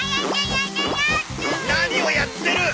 何をやってる！